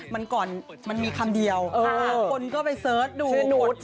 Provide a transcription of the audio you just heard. มันก่อนมันมีคำเดียวคนก็ไปเสิร์ชดู